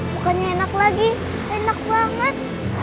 bukannya enak lagi enak banget